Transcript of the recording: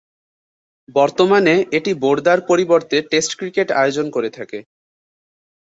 বর্তমানে এটি বোর্দা’র পরিবর্তে টেস্ট ক্রিকেট আয়োজন করে থাকে।